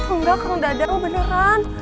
enggak kang dadang beneran